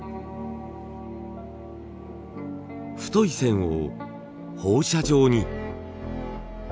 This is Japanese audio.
太い線を放射状に。